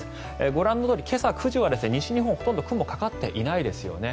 ご覧のとおり今朝９時は西日本ほとんど雲がかかっていないですよね。